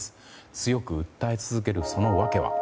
強く訴え続けるその訳は。